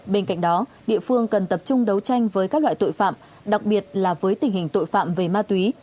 bên cạnh đó địa phương cần tập trung đấu tranh với các loại tội phạm đặc biệt là với tình hình tội phạm về ma túy